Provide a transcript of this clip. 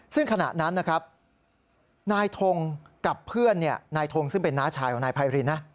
ซึ่งขณะนั้นนะครับนายทงกับเพื่อนนายทงซึ่งเป็นน้าชายของนายไพรินนะ